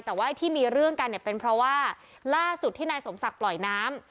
แต่ว่าไอ้ที่มีเรื่องกันเนี่ยเป็นเพราะว่าล่าสุดที่นายสมศักดิ์ปล่อยน้ำ